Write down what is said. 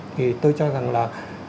thì tôi cho rằng là